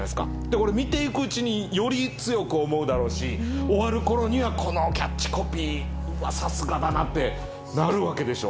これ見て行くうちにより強く思うだろうし終わる頃には「このキャッチコピーはさすがだな」ってなるわけでしょ。